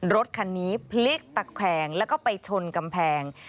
รถคันนี้พลิกตะแควงแล้วก็ไปชนกำแพง